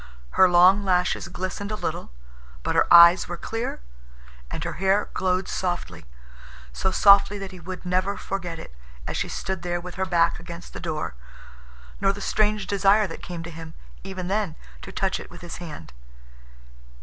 Her long lashes glistened a little. But her eyes were clear, and her hair glowed softly, so softly that he would never forget it, as she stood there with her back against the door, nor the strange desire that came to him—even then—to touch it with his hand.